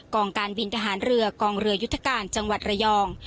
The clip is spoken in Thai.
กองการบินทหารเร็วกองเหลยศการจังหวัดระยอง